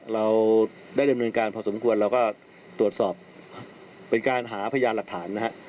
เราได้ดำเนินการพอสมควรเราก็ตรวจสอบเป็นการหาพยานหลักฐานนะฮะ